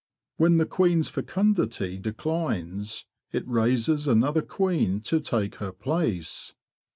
When the queen's fecundity declines, it raises another queen to take her place.